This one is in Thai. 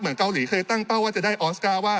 เกาหลีเคยตั้งเป้าว่าจะได้ออสการ์ว่า